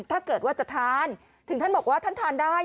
ถ้าเกิดว่าจะทานถึงท่านบอกว่าท่านทานได้